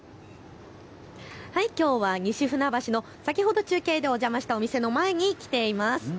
きょうは西船橋の先ほど中継でお邪魔したお店の前に来ています。